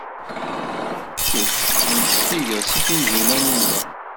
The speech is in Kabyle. Kecc ur d-tecligeḍ seg Tinhinan u Muḥ.